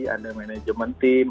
ada manajemen tim